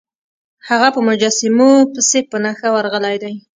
هغه په مجسمو پسې په نښه ورغلی دی.